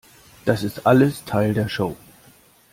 Das ist alles Teil der Show.